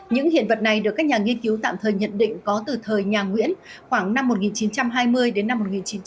những hiện vật này được các nhà nghiên cứu tạm thời nhận định có từ thời nhà nguyễn khoảng năm một nghìn chín trăm hai mươi đến năm một nghìn chín trăm bảy mươi